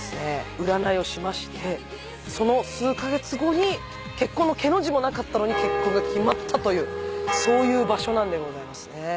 占いをしましてその数カ月後に結婚の「け」の字もなかったのに結婚が決まったというそういう場所なんでございますね。